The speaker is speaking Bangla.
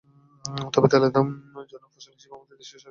তবে তেলের জন্য ফসল হিসেবে আমাদের দেশে সরিষার চাষই হচ্ছে প্রধান।